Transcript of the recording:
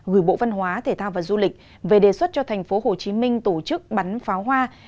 gửi bộ văn hóa thể thao và du lịch về đề xuất cho tp hcm tổ chức bắn pháo hoa